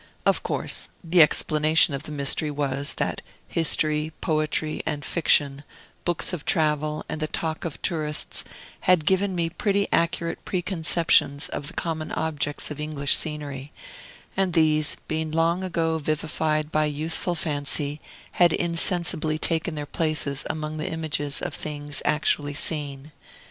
Of course, the explanation of the mystery was, that history, poetry, and fiction, books of travel, and the talk of tourists, had given me pretty accurate preconceptions of the common objects of English scenery, and these, being long ago vivified by a youthful fancy, had insensibly taken their places among the images of things actually seen.